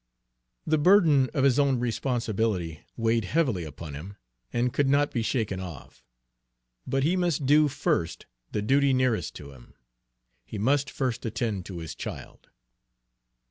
The burden of his own responsibility weighed heavily upon him, and could not be shaken off; but he must do first the duty nearest to him, he must first attend to his child.